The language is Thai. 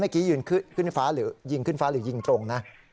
เมื่อกี้ยินขึ้นฟ้าหรือยิงตรงนะ